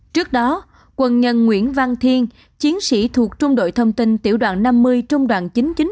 trước đó quân nhân nguyễn văn thiên chiến sĩ thuộc trung đội thông tin tiểu đoạn năm mươi trung đoạn chín trăm chín mươi một